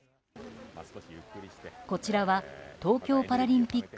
こちらは東京パラリンピック